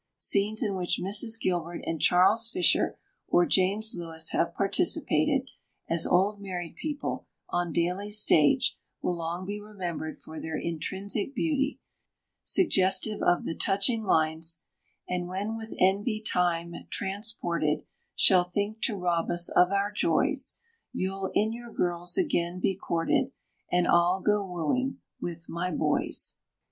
Scenes in which Mrs. Gilbert and Charles Fisher or James Lewis have participated, as old married people, on Daly's stage, will long be remembered for their intrinsic beauty—suggestive of the touching lines: "And when with envy Time, transported, Shall think to rob us of our joys, You'll in your girls again be courted, And I'll go wooing with my boys."